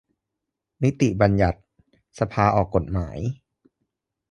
-นิติบัญญัติ : สภาออกกฎหมาย